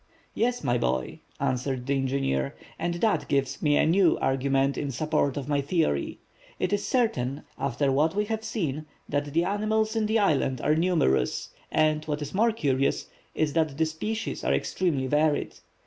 "Yes, my boy," answered the engineer, "and that gives me a new argument in support of my theory. It is certain after what we have seen that the animals in the island are numerous, and what is more curious, is that the species are extremely varied.